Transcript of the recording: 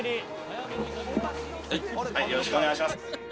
よろしくお願いします。